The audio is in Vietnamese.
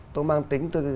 tôi mang tính